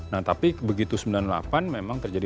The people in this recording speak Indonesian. nah tapi begitu sembilan puluh delapan memang terjadi